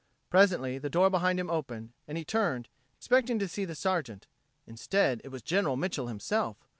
Presently the door behind him opened, and he turned, expecting to see the Sergeant. Instead, it was General Mitchel himself.